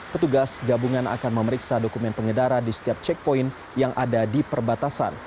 petugas gabungan akan memeriksa dokumen pengedara di setiap checkpoint yang ada di perbatasan